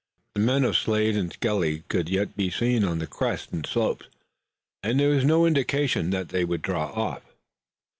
But the men of Slade and Skelly could yet be seen on the crests and slopes, and there was no indication that they would draw off.